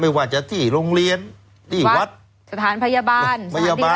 ไม่ว่าจะที่โรงเรียนที่วัดสถานพยาบาลสถานที่วัดชะการ